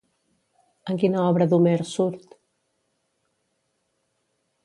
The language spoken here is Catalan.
En quina obra d'Homer surt?